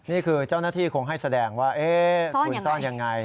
นี่คือเจ้าหน้าที่คงให้แสดงว่าคุณซ่อนยังไง